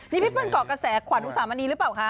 นี่พี่เปิ้ลเกาะกระแสขวัญอุสามณีหรือเปล่าคะ